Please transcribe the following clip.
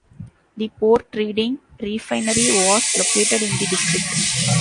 The Port Reading Refinery was located in the district.